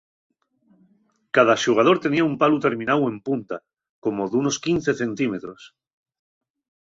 Cada xugador tenía un palu termináu en punta, como d'unos quince centímetros.